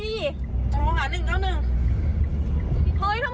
เฮ้ยชนลากไปก็หนัก